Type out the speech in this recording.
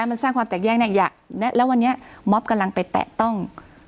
มันสร้างความแตกแยกแล้ววันนี้ม็อบกำลังไปแตะต้อง